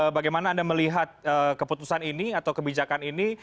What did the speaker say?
bagaimana anda melihat keputusan ini atau kebijakan ini